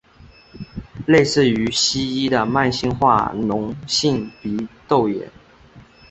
类似于西医的慢性化脓性鼻窦炎。